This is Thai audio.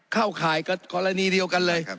เข้าข่ายกรณีเดียวกันเลย